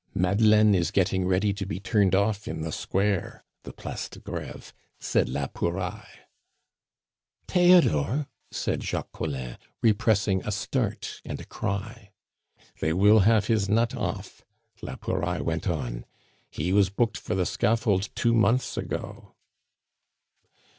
"Madeleine is getting ready to be turned off in the Square" (the Place de Greve), said la Pouraille. "Theodore!" said Jacques Collin, repressing a start and a cry. "They will have his nut off," la Pouraille went on; "he was booked for the scaffold two months ago."